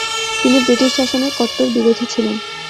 তিনি ব্রিটিশ শাসনের কট্টর বিরোধী ছিলেন।